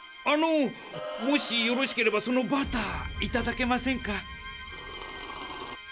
あのもしよろしければそのバターいただけませんか。